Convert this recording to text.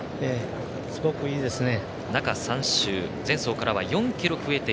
すごくいいですね。